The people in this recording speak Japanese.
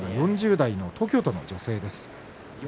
４０代の東京都の女性です。